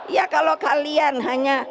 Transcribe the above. ya kalau kalian hanya